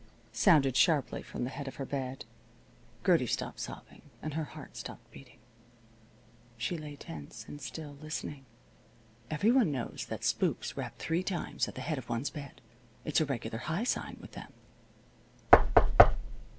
"Rap rap rap!" sounded sharply from the head of her bed. Gertie stopped sobbing, and her heart stopped beating. She lay tense and still, listening. Everyone knows that spooks rap three times at the head of one's bed. It's a regular high sign with them.